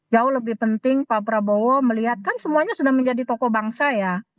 jauh lebih penting pak prabowo melihat kan semuanya sudah menjadi tokoh bangsa ya